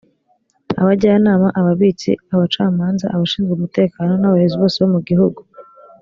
abajyanama ababitsi abacamanza abashinzwe umutekano n abayobozi bose bo mugihugu